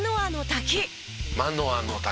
「マノアの滝」